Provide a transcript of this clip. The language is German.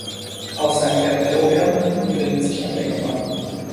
Auf seinem Territorium befindet sich ein Denkmal.